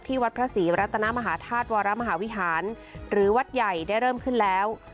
วัดพระศรีรัตนมหาธาตุวรมหาวิหารหรือวัดใหญ่ได้เริ่มขึ้นแล้ว